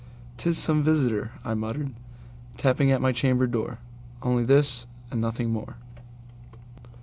"'T is some visitor," I muttered, "tapping at my chamber door; Only this and nothing more."